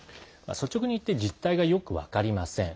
率直に言って実態がよく分かりません。